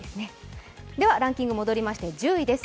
ランキング戻りまして、１０位です。